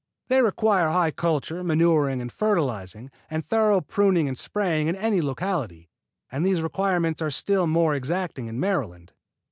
They require high culture, manuring and fertilizing, and thorough pruning and spraying in any locality, and these requirements are still more exacting in Maryland.